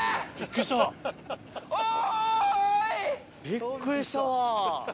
びっくりした。